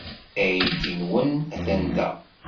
Aydi-nwen atan da.